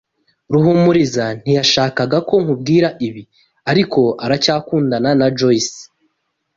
Ruhumuriza ntiyashakaga ko nkubwira ibi, ariko aracyakundana na Joyce.